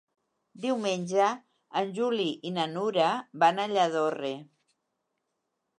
Diumenge en Juli i na Nura van a Lladorre.